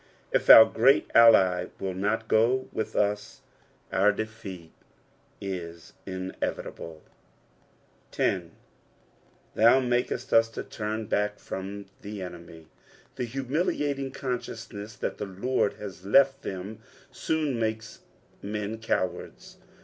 If our great ally will not go with us our defeat is inevitable. ' "T/um matttt vt to trim back from the atemy," The humiliating con sdoQSnesB that the Lord has left them soon makes men cowards.